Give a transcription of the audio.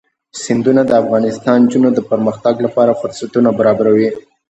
سیندونه د افغان نجونو د پرمختګ لپاره فرصتونه برابروي.